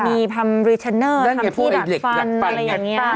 มีทำรีเทนเนอร์ทำที่ดัดฟันอะไรอย่างนี้